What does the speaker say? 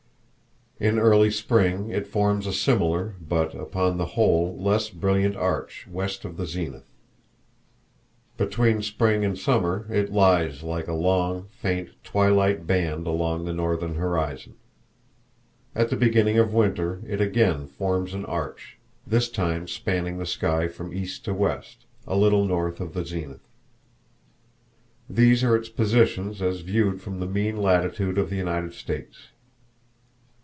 In early spring it forms a similar but, upon the whole, less brilliant arch west of the zenith. Between spring and summer it lies like a long, faint, twilight band along the northern horizon. At the beginning of winter it again forms an arch, this time spanning the sky from east to west, a little north of the zenith. These are its positions as viewed from the mean latitude of the United States.